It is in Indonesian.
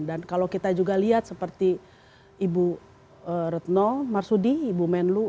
dan kalau kita juga lihat seperti ibu retno marsudi ibu menlo